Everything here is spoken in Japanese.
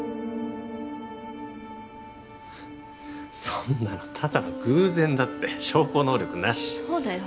そんなのただの偶然だって証拠能力なしそうだよ